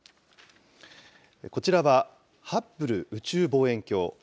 こちらは、ハッブル宇宙望遠鏡。